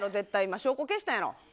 証拠消したんやろ。